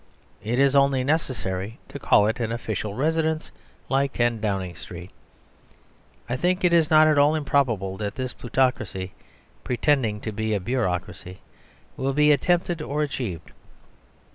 It is only necessary to call it an official residence, like 10 Downing street. I think it is not at all improbable that this Plutocracy, pretending to be a Bureaucracy, will be attempted or achieved.